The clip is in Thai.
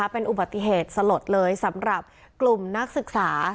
เป็นอุบัติเหตุสลดเลยสำหรับกลุ่มนักศึกษา